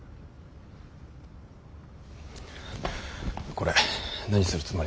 これ何するつもりなんだ。